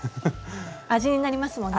味になりますもんね。